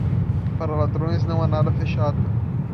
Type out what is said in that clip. Para ladrões não há nada fechado.